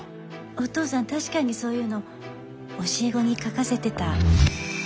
お父さん確かにそういうの教え子に書かせてた。